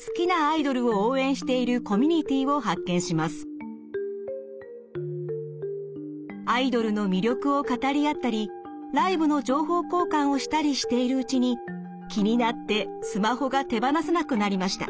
偶然ＳＮＳでアイドルの魅力を語り合ったりライブの情報交換をしたりしているうちに気になってスマホが手放せなくなりました。